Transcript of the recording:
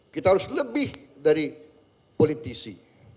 kita harus lebih dari politisi